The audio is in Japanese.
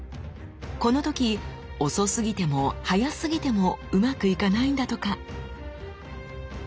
この時遅すぎても早すぎてもうまくいかないんだとか。